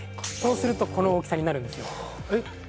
そうするとこの大きさになるんですよえっ？